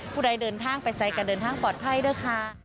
ผู้ใดเดินทางไปใส่การเดินทางปลอดภัยด้วยค่ะ